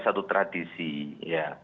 satu tradisi ya